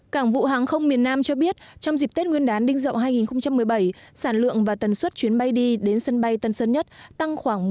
cảng vụ hàng không miền nam cho biết trong dịp tết nguyên đán đinh dậu hai nghìn một mươi bảy sản lượng và tần suất chuyến bay đi đến sân bay tân sơn nhất tăng khoảng một mươi